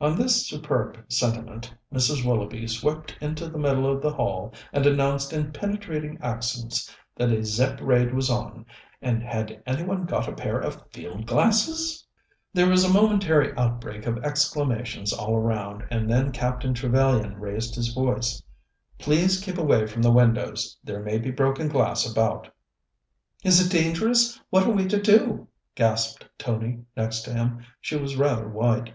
On this superb sentiment Mrs. Willoughby swept into the middle of the hall and announced in penetrating accents that a Zepp raid was on, and had any one got a pair of field glasses? There was a momentary outbreak of exclamations all around, and then Captain Trevellyan raised his voice: "Please keep away from the windows. There may be broken glass about." "Is it dangerous? What are we to do?" gasped Tony, next him. She was rather white.